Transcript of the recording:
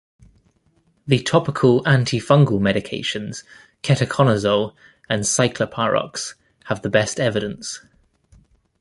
The topical antifungal medications ketoconazole and ciclopirox have the best evidence.